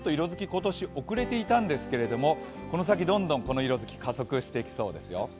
今年、遅れていたんですけどこの先どんどんこの色、加速していきそうですよ。